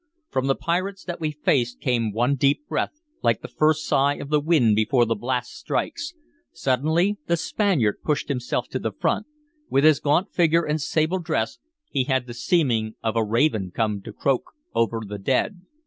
From the pirates that we faced came one deep breath, like the first sigh of the wind before the blast strikes. Suddenly the Spaniard pushed himself to the front; with his gaunt figure and sable dress he had the seeming of a raven come to croak over the dead.